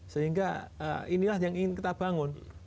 sehingga inilah yang ingin kita bangun